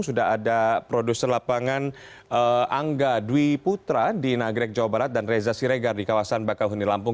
sudah ada produser lapangan angga dwi putra di nagrek jawa barat dan reza siregar di kawasan bakau huni lampung